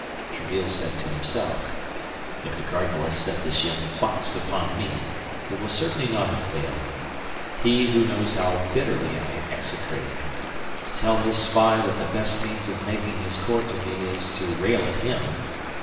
Tréville said to himself: "If the cardinal has set this young fox upon me, he will certainly not have failed—he, who knows how bitterly I execrate him—to tell his spy that the best means of making his court to me is to rail at him.